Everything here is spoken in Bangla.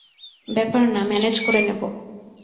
ব্যাপার না ম্যানেজ করে নেব।